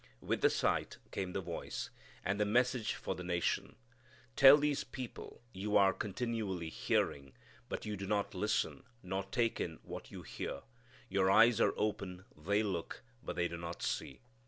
With the sight came the voice, and the message for the nation: "Tell these people you are continually hearing, but you do not listen, nor take in what you hear. Your eyes are open, they look, but they do not see."